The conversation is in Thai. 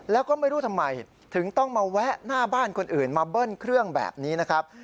แล้วก็ไม่รู้ทำไมถึงต้องมาแวะหน้าบ้านคนอื่นมาเบิ้ลเครื่องแบบนี้นะครับ